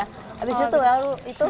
habis itu lalu itu